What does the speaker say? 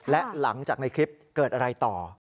และหลังจากในคลิปเกิดอะไรต่อ